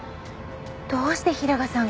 どうして平賀さんが？